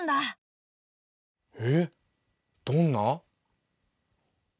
えどんな？